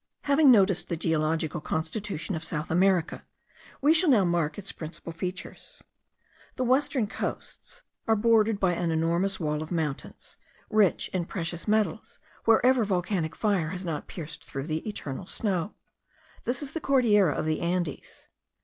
Having noticed the geological constitution of South America, we shall now mark its principal features. The western coasts are bordered by an enormous wall of mountains, rich in precious metals wherever volcanic fire has not pierced through the eternal snow. This is the Cordillera of the Andes.